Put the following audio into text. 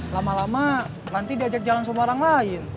lama lama nanti diajak jalan sama orang lain